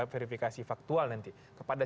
verifikasi faktual nanti kepada